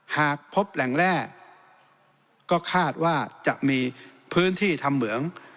หากพบแหล่งแร่ก็คาดว่าจะมีพื้นที่ทำเหมือง